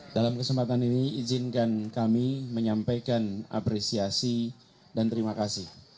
dalam kesempatan ini izinkan kami menyampaikan apresiasi dan terima kasih